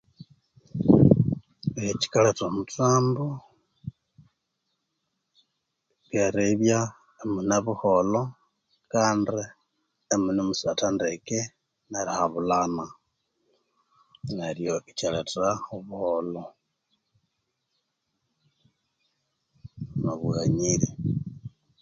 Ekyikaletha omuthambo lyeribya imune buholho kandi imune musatha ndeke nerihabulhana neryo ikyaletha obuholho nobughanyiri.